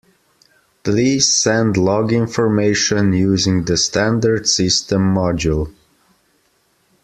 Please send log information using the standard system module.